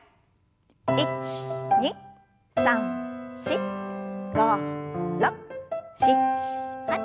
１２３４５６７８。